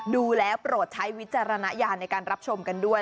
ดูแล้วโปรดใช้วิจารณญาณในการรับชมกันด้วย